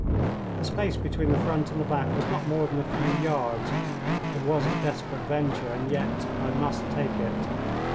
The space between the front and the back was not more than a few yards. It was a desperate venture, and yet I must take it.